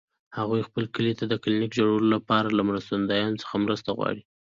هغوی خپل کلي ته د کلینیک جوړولو لپاره له مرستندویانو څخه مرسته غواړي